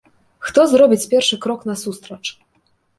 Хто зробіць першы крок насустрач?